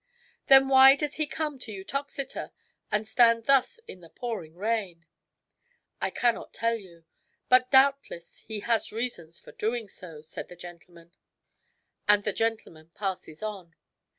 " Then why does he come to Uttoxeter and stand thus in the pouring rain ?"" I cannot tell you ; but doubtless he ha? reasons for doing so ;" and tHe gentleman passes on.